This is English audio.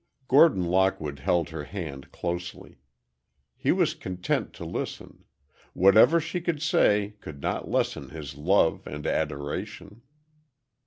Gordon Lockwood held her hand closely. He was content to listen. Whatever she could say could not lessen his love and adoration.